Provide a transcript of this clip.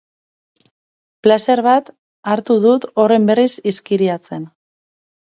Plazer bat hartu dut horren berriz izkiriatzen.